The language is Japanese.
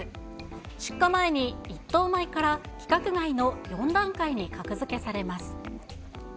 出荷前に一等米から規格外の４段階に格付けされます。